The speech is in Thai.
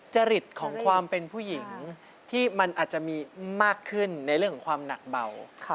จริตของความเป็นผู้หญิงที่มันอาจจะมีมากขึ้นในเรื่องของความหนักเบา